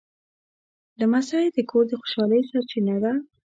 لمسی د کور د خوشحالۍ سرچینه ده.